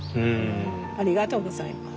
ありがとうございます。